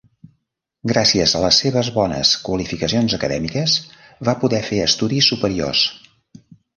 Gràcies a les seves bones qualificacions acadèmiques va poder fer estudis superiors.